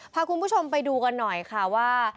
พาคุณผู้ชมไปดูกันหน่อยค่ะว่า